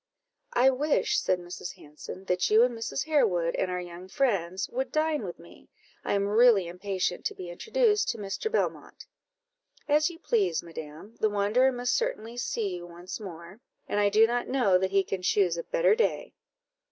"I wish," said Mrs. Hanson, "that you and Mrs. Harewood and our young friends would dine with me: I am really impatient to be introduced to Mr. Belmont." "As you please, madam; the wanderer must certainly see you once more, and I do not know that he can choose a better day."